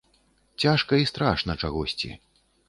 Цяжка і страшна чагосьці.